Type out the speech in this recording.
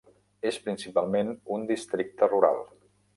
És principalment un districte rural.